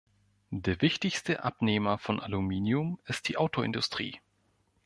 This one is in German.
Der wichtigste Abnehmer von Aluminium ist die Autoindustrie.